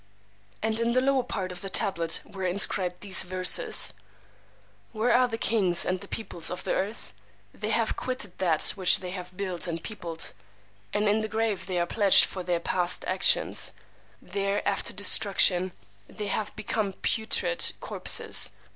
And in the lower part of the tablet were inscribed these verses: Where are the Kings and the peoplers of the earth? They have quitted that which they have built and peopled; And in the grave they are pledged for their past actions: there after destruction, they have become putrid corpses.